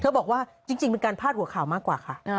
บอกว่าจริงเป็นการพาดหัวข่าวมากกว่าค่ะ